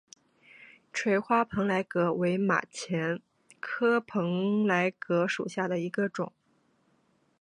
垂花蓬莱葛为马钱科蓬莱葛属下的一个种。